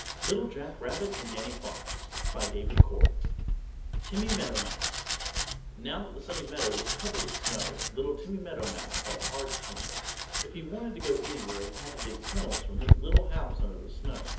Little Jack Rabbit and Danny Fox. Page 78] TIMMY MEADOWMOUSE Now that the Sunny Meadow was covered with snow little Timmy Meadowmouse had a hard time of it. If he wanted to go anywhere he had to dig tunnels from his little house under the snow.